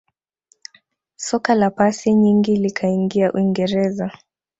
soka la pasi nyingi likaingia uingereza